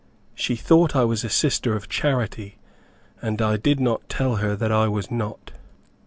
She thought I was a Sister of Charity, and I did not tell her that I was not.